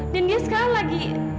dan dia sekarang lagi